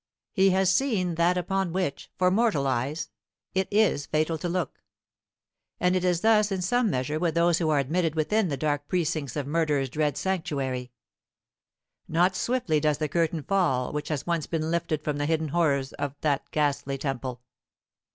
He has seen that upon which, for mortal eyes, it is fatal to look. And it is thus in some measure with those who are admitted within the dark precincts of murder's dread sanctuary. Not swiftly does the curtain fall which has once been lifted from the hidden horrors of that ghastly temple.